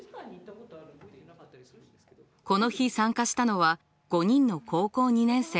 この日参加したのは５人の高校２年生。